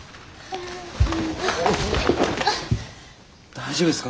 大丈夫ですか？